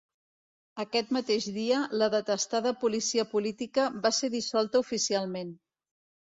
Aquest mateix dia la detestada policia política va ser dissolta oficialment.